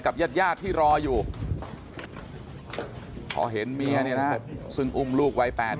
กับญาติหญ้าที่รออยู่พอเห็นเมียในทางซึ่งอุ้มลูกไว้แปด